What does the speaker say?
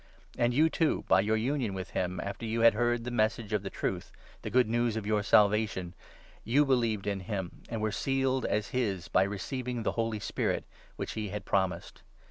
And you, too, by your union 13 with him, after you had heard the Message of the Truth, the Good News of your Salvation — you believed in him and were sealed as his by receiving the holy Spirit, which he had pro mised.